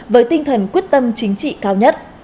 với tinh thần quyết tâm chính trị cao nhất